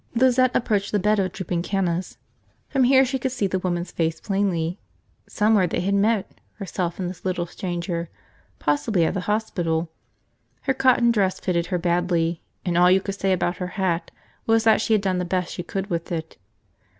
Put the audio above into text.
Lizette approached the bed of drooping cannas. From here she could see the woman's face plainly. Somewhere they had met, herself and this little stranger, possibly at the hospital. Her cotton dress fitted her badly, and all you could say about her hat was that she had done the best she could with it.